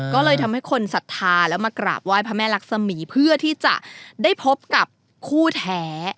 ก็เลยทำให้คนศรัทธาแล้วมากราบไหว้พระแม่รักษมีเพื่อที่จะได้พบกับคู่แท้